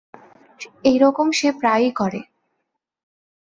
এই রকম সে প্রায়ই করে।